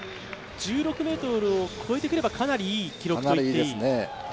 １６ｍを越えてくればかなりいい記録と言っていい。